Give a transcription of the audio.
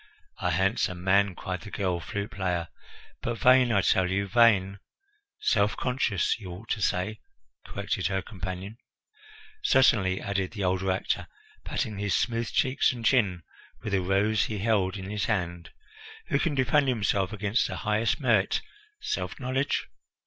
"A handsome man," cried the girl flute player, "but vain, I tell you, vain " "Self conscious, you ought to say," corrected her companion. "Certainly," added the older actor, patting his smooth cheeks and chin with a rose he held in his hand. "Who can defend himself against the highest merit, self knowledge?